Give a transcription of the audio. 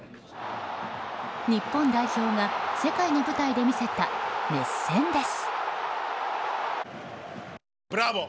日本代表が世界の舞台で見せた熱戦です。